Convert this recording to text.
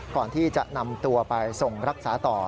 ก่อนที่จะนำตัวไปส่งรักษาต่อ